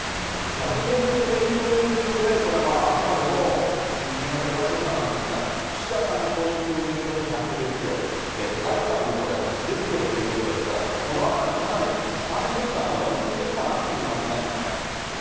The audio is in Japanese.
逆に言うと、党員党友票でこれ、あくまでも緊急の電話調査なんですが、岸田さんが党員党友票で１１０票、高市さんもこれ、８０票ということですから、このあたり、かなり固めてきたな、上積みしてきたなっていう感じなんですかね？